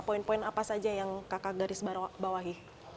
poin poin apa saja yang kakak garis bawahi